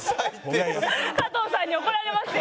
加藤さんに怒られるよ。